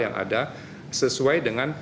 yang ada sesuai dengan